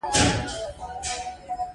غرمه د انساني طبیعت غېږه ده